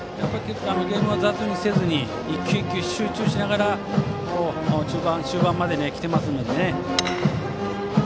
ゲームを雑にせずに、１球１球集中しながら中盤終盤まで来ていますのでね。